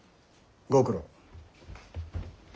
ご苦労。